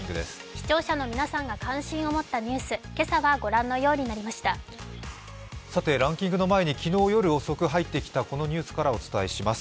視聴者の皆さんが関心を持ったニュース、ランキングの前に昨日夜遅く入ってきたこのニュースからお伝えします。